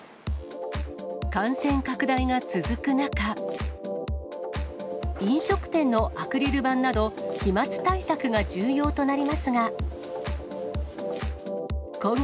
感染拡大が続く中、飲食店のアクリル板など、飛まつ対策が重要となりますが。